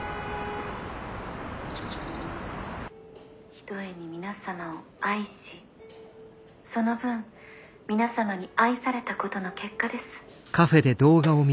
「ひとえに皆様を愛しその分皆様に愛されたことの結果です。